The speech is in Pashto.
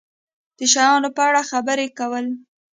د شیانو په اړه خبرې کول